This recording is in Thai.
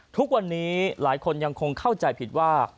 ทุกวันนี้หลายคนยังคงเข้าใจผิดว่า